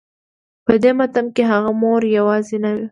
په دې ماتم کې هغه مور يوازې نه وه.